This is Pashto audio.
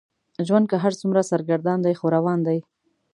ژوند که هر څومره سرګردان دی خو روان دی.